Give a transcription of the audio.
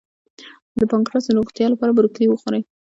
د پانکراس د روغتیا لپاره بروکولي وخورئ